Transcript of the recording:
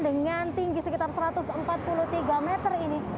dengan tinggi sekitar satu ratus empat puluh tiga meter ini